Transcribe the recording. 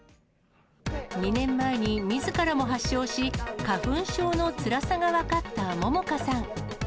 ２年前にみずからも発症し、花粉症のつらさが分かった杏果さん。